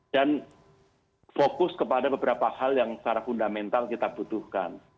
dan fokus kepada beberapa hal yang secara fundamental kita butuhkan